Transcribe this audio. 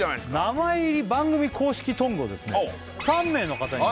名前入り番組公式トングをですねああ